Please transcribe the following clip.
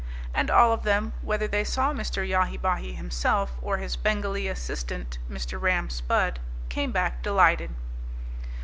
And all of them, whether they saw Mr. Yahi Bahi himself or his Bengalee assistant, Mr. Ram Spudd, came back delighted.